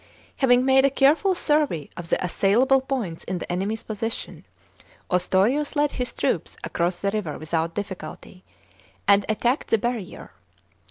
Having made a careful survey of the assailable points in the enemy's position, Ostorius led his troops across the river without difficulty, and attacked the barrier.